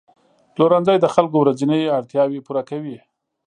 پلورنځي د خلکو ورځني اړتیاوې پوره کوي.